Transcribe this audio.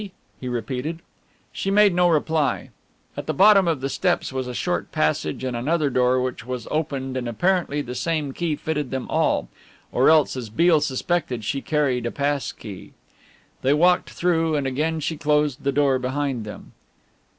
he repeated. She made no reply. At the bottom of the steps was a short passage and another door which was opened, and apparently the same key fitted them all, or else as Beale suspected she carried a pass key. They walked through, and again she closed the door behind them.